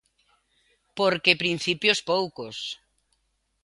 Porque principios, poucos.